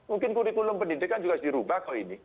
mungkin kurikulum pendidikan juga harus dirubah kok ini